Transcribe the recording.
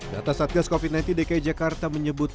data satgas covid sembilan belas dki jakarta menyebut